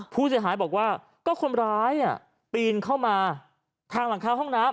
ผู้เสียหายบอกว่าก็คนร้ายปีนเข้ามาทางหลังคาห้องน้ำ